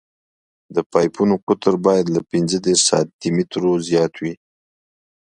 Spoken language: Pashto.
د پایپونو قطر باید له پینځه دېرش سانتي مترو زیات وي